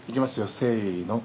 せの。